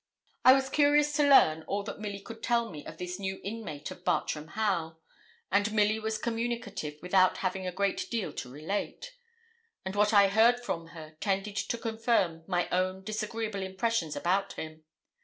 I was curious to learn all that Milly could tell me of this new inmate of Bartram Haugh; and Milly was communicative without having a great deal to relate, and what I heard from her tended to confirm my own disagreeable impressions about him.